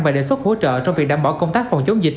và đề xuất hỗ trợ trong việc đảm bảo công tác phòng chống dịch